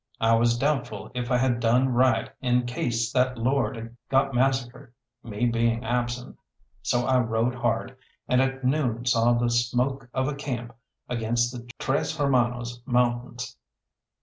I was doubtful if I had done right in case that lord got massacred, me being absent, so I rode hard, and at noon saw the smoke of a camp against the Tres Hermanos Mountains.